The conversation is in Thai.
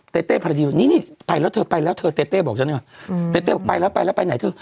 เตเต้พอดีนี่นี่ไปแล้วเธอไปแล้วเธอเต้เต้บอกฉันเนี่ยเต้เต้บอกไปแล้วไปแล้วไปไหนเธอ